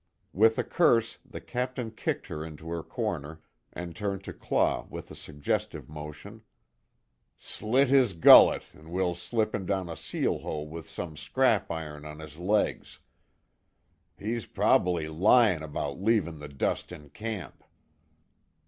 With a curse, the captain kicked her into her corner, and turned to Claw with a suggestive motion: "Slit his gullet, an' we'll slip him down a seal hole with some scrap iron on his legs. He's prob'bly lyin' 'bout leavin' the dust in camp."